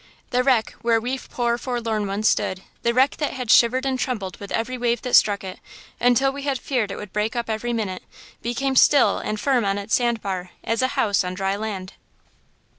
The wreck–where we poor forlorn ones stood–the wreck that had shivered and trembled with every wave that struck it,–until we had feared it would break up every minute, became still and firm on its sand bar, as a house on dry land.